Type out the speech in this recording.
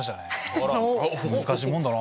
難しいもんだなぁ。